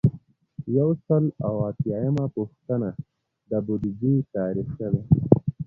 یو سل او اتیایمه پوښتنه د بودیجې تاریخچه ده.